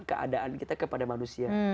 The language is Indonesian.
keadaan kita kepada manusia